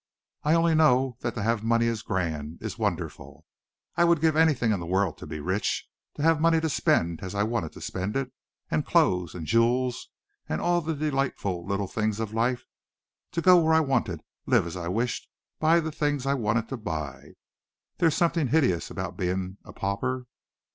"I only know that to have money is grand, is wonderful. I would give anything in the world to be rich, to have money to spend as I wanted to spend it, and clothes, and jewels, and all the delightful little things of life, to go where I wanted, live as I wished, buy the things I wanted to buy. There's something hideous about being a pauper."